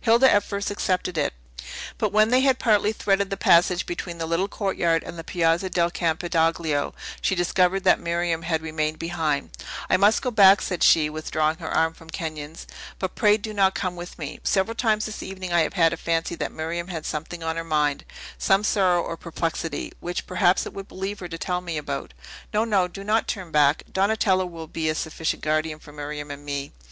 Hilda at first accepted it; but when they had partly threaded the passage between the little courtyard and the Piazza del Campidoglio, she discovered that Miriam had remained behind. "I must go back," said she, withdrawing her arm from Kenyon's; "but pray do not come with me. Several times this evening I have had a fancy that Miriam had something on her mind, some sorrow or perplexity, which, perhaps, it would relieve her to tell me about. No, no; do not turn back! Donatello will be a sufficient guardian for Miriam and me."